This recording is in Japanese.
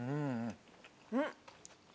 うん。